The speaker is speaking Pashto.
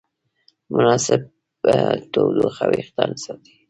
مناسب تودوخه وېښتيان ساتي.